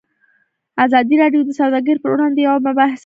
ازادي راډیو د سوداګري پر وړاندې یوه مباحثه چمتو کړې.